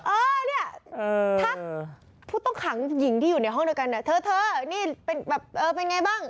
เออเนี่ยทักผู้ต้องขังหญิงที่อยู่ในห้องด้วยกันเนี่ยเธอนี่เป็นแบบเออเป็นไงบ้าง